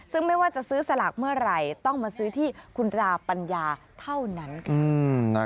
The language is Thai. ซึ่งไม่ว่าจะซื้อสลากเมื่อไหร่ต้องมาซื้อที่คุณตราปัญญาเท่านั้นค่ะ